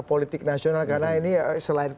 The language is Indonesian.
politik nasional karena ini selain